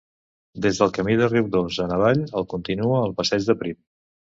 Des del camí de Riudoms en avall el continua el Passeig de Prim.